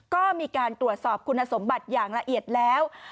ก็มีการตรวจสอบคุณสมบัติอย่างละเอียดแล้ว